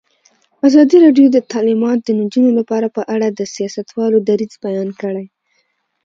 ازادي راډیو د تعلیمات د نجونو لپاره په اړه د سیاستوالو دریځ بیان کړی.